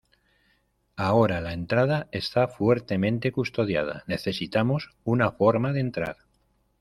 Ahora, la entrada está fuertemente custodiada. Necesitamos una forma de entrar .